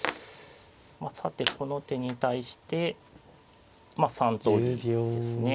さてこの手に対してまあ３通りですね。